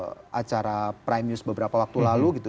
karena ketika di waktu acara prime news beberapa waktu lalu gitu